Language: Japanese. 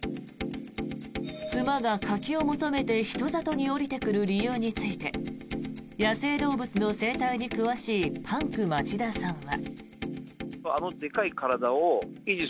熊が柿を求めて人里に下りてくる理由について野生動物の生態に詳しいパンク町田さんは。